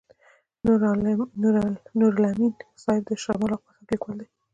نورالامین صاحب د شمار او قطار لیکوال دی.